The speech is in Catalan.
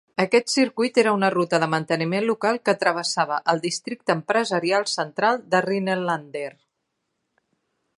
Aquest circuit era una ruta de manteniment local que travessava el districte empresarial central de Rhinelander.